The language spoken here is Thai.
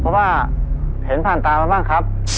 เพราะว่าเห็นผ่านตามาบ้างครับ